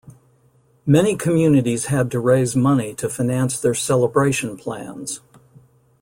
Many communities had to raise money to finance their celebration plans.